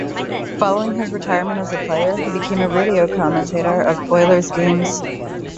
Following his retirement as a player, he became a radio commentator of Oilers' games.